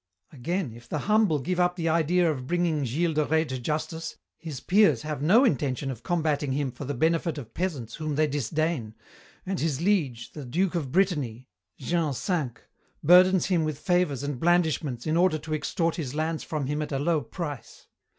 "Again, if the humble give up the idea of bringing Gilles de Rais to justice, his peers have no intention of combating him for the benefit of peasants whom they disdain, and his liege, the duke of Brittany, Jean V, burdens him with favours and blandishments in order to extort his lands from him at a low price.